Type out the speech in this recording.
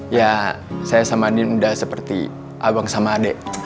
iya saya sama andin udah seperti abang sama adek